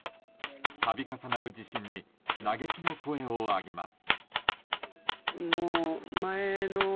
度重なる地震に嘆きの声を上げます。